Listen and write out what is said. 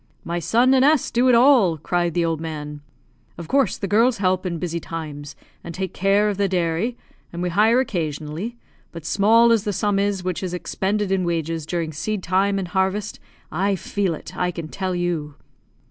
"My son and S do it all," cried the old man. "Of course the girls help in busy times, and take care of the dairy, and we hire occasionally; but small as the sum is which is expended in wages during seed time and harvest, I feel it, I can tell you."